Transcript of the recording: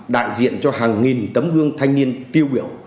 đại diện cho hàng nghìn tấm gương thanh niên tiêu biểu